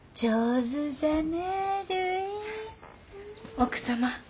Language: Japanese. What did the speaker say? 奥様。